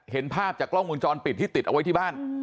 เห็นภาพจากกล้องวงจรปิดที่ติดเอาไว้ที่บ้าน